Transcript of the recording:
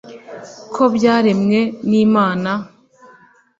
ko byaremwe n’imana.